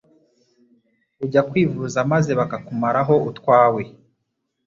ujya kwivuza maze bakakumaraho utwawe